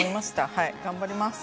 はい頑張ります。